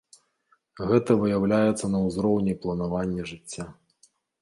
Гэта выяўляецца на ўзроўні планавання жыцця.